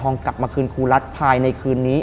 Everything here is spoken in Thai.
กลับมาคืนครูรัฐภายในคืนนี้